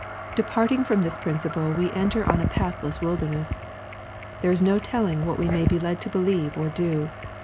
Departing from this principle we enter on a pathless wilderness. There is no telling what we may be led to believe or do.